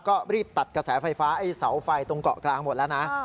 ก็รีบตัดกระแสไฟฟ้าไอ้เสาไฟตรงเกาะกลางหมดแล้วนะ